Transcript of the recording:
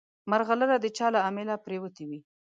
مرغلره د چا له امیله پرېوتې وي.